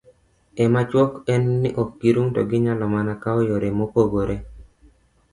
e machuok en ni ok girum to ginyalo mana kawo yore mopogore